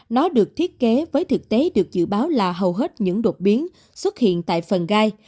nó được thiết kế với thực tế được dự báo là hầu hết những đột biến xuất hiện tại phần gai